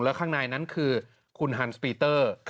แล้วข้างในนั้นคือคุณฮันสปีเตอร์